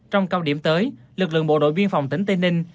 trong cao điểm tới lực lượng bộ đội biên phòng tỉnh tây ninh